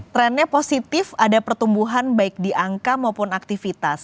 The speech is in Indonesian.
trendnya positif ada pertumbuhan baik di angka maupun aktivitas